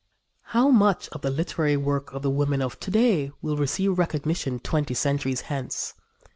How much of the literary work of the women of to day will receive recognition twenty centuries hence?